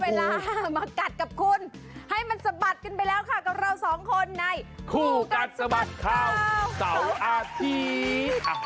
เวลามากัดกับคุณให้มันสะบัดกันไปแล้วค่ะกับเราสองคนในคู่กัดสะบัดข่าวเสาร์อาทิตย์